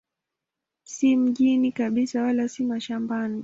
Si mjini kabisa wala si mashambani.